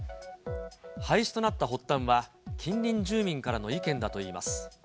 廃止となった発端は、近隣住民からの意見だといいます。